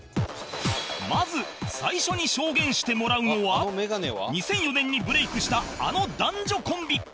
まず最初に証言してもらうのは２００４年にブレイクしたあの男女コンビ